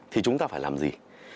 thì chúng ta phải làm gì